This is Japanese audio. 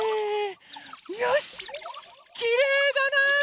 よしきれいだな！